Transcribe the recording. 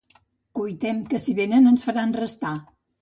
Cuitem, que si venen ens faran restar.